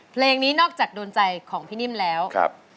เพลงนี้นอกจากโดนใจของพี่นิ่มแล้ว